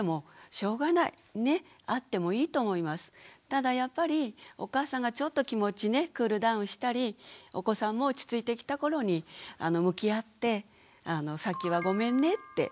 ただやっぱりお母さんがちょっと気持ちクールダウンしたりお子さんも落ち着いてきた頃に向き合ってさっきはごめんねって。